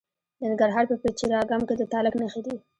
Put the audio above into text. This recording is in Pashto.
د ننګرهار په پچیر اګام کې د تالک نښې دي.